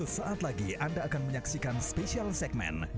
sampai jumpa di video selanjutnya